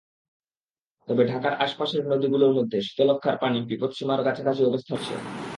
তবে ঢাকার আশপাশের নদীগুলোর মধ্যে শীতলক্ষ্যার পানি বিপৎসীমার কাছাকাছি অবস্থান করছে।